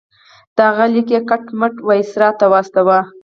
د هغه لیک یې کټ مټ وایسرا ته واستاوه.